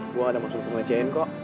gue enggak ada maksud pengacian kok